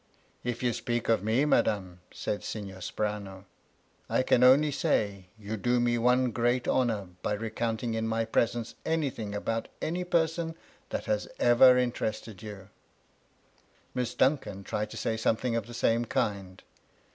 " If you speak of me, madame," said Signor Sperano, " I can only say you do me one great honour by re counting in my presence anything about any person that has ever interested you." Miss Duncan tried to say something of the same kind.